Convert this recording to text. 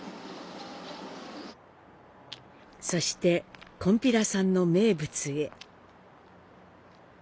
そして「こんぴらさん」の名物へ。